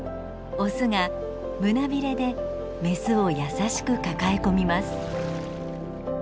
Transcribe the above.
オスが胸びれでメスを優しく抱え込みます。